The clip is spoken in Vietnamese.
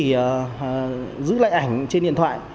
chúng chỉ giữ lại ảnh trên điện thoại